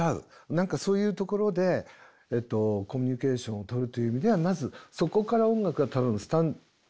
何かそういうところでコミュニケーションをとるという意味ではまずそこから音楽は多分スタートしたんだろうと。